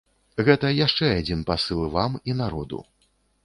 Гэта яшчэ адзін пасыл вам і народу.